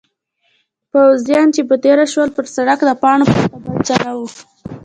پوځیان چې به تېر شول پر سړک د پاڼو پرته بل څه نه وو.